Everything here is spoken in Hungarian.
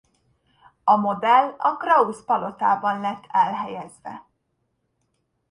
A modell a Krausz-palotában lett elhelyezve.